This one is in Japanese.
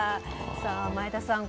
さあ前田さん